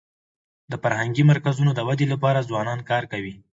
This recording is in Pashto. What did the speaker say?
د فرهنګي مرکزونو د ودي لپاره ځوانان کار کوي.